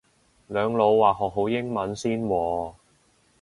兩老話學好英文先喎